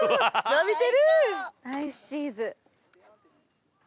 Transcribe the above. ナイスチーズ。